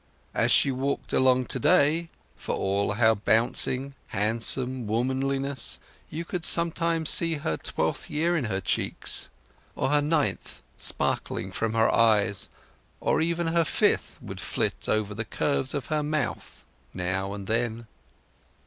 As she walked along to day, for all her bouncing handsome womanliness, you could sometimes see her twelfth year in her cheeks, or her ninth sparkling from her eyes; and even her fifth would flit over the curves of her mouth now and then.